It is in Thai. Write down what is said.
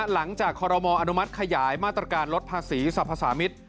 คอรมออนุมัติขยายมาตรการลดภาษีสรรพสามิตร